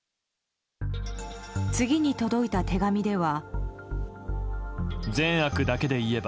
次に届いた手紙では。